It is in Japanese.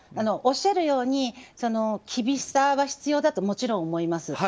おっしゃるように厳しさは必要だともちろん思います。